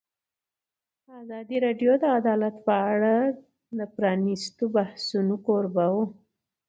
ازادي راډیو د عدالت په اړه د پرانیستو بحثونو کوربه وه.